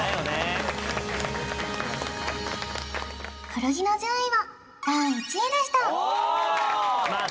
古着の順位は第１位でしたまあ